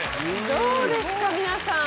どうですか皆さん。